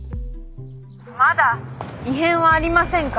まだ異変はありませんか？